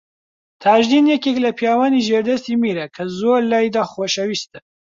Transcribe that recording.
تاجدین یەکێک لە پیاوانی ژێردەستی میرە کە زۆر لایدا خۆشەویستە